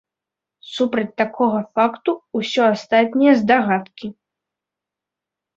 Супраць такога факту, усё астатняе здагадкі.